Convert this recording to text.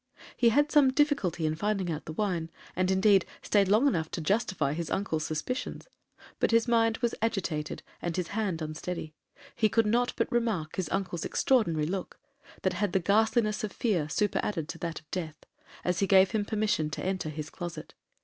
He had some difficulty in finding out the wine, and indeed staid long enough to justify his uncle's suspicions,—but his mind was agitated, and his hand unsteady. He could not but remark his uncle's extraordinary look, that had the ghastliness of fear superadded to that of death, as he gave him permission to enter his closet.